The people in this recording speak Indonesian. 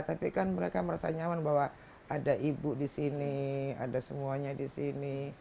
tapi kan mereka merasa nyaman bahwa ada ibu di sini ada semuanya di sini